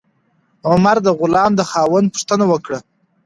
عمر د غلام د خاوند پوښتنه وکړه.